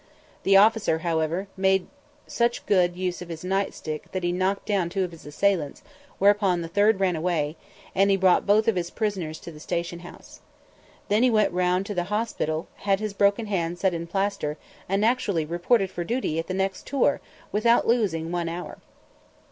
The officer, however, made such good use of his night stick that he knocked down two of his assailants, whereupon the third ran away, and he brought both of his prisoners to the station house. Then he went round to the hospital, had his broken hand set in plaster, and actually reported for duty at the next tour, without losing one hour.